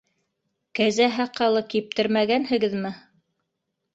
- Кәзә һаҡалы киптермәгәнһегеҙме?